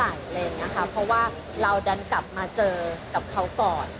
อะไรอย่างเงี้ยค่ะเพราะว่าเราดันกลับมาเจอกับเขาก่อน